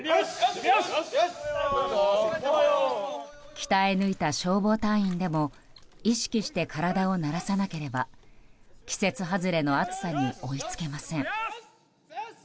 鍛えぬいた消防隊員でも意識して体を慣らさなければ季節外れの暑さに追いつけません。